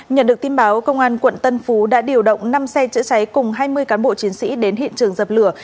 nhận được tin báo công an quận tân phú đã điều động năm xe chữa cháy cùng hai mươi cán bộ chiến sĩ đến hiện trường dập lửa